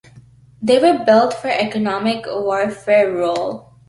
They were built for economic-warfare role.